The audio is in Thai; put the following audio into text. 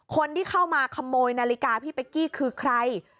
คนที่เข้ามาขโมยนาฬิกาพี่เป๊กกี้คือใคร